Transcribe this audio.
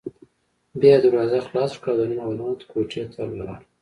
بیا یې دروازه خلاصه کړه او دننه ور ننوت، کوټې ته لاړ.